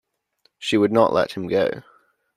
She would not let him go.